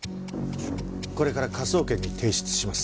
これから科捜研に提出します。